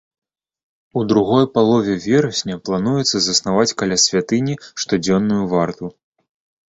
У другой палове верасня плануецца заснаваць каля святыні штодзённую варту.